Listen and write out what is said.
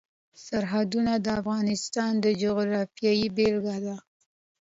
سرحدونه د افغانستان د جغرافیې بېلګه ده.